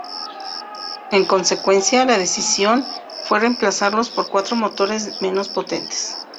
En consecuencia, la decisión fue reemplazarlos por cuatro motores menos potentes.